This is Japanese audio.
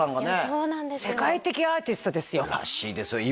そうなんです世界的アーティストですよらしいですね